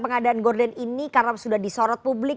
pengadaan gordon ini karena sudah disorot publik